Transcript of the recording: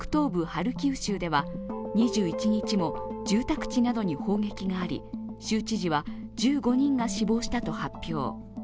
ハルキウ州では２１日も住宅地などに砲撃があり、州知事は１５人が死亡したと発表。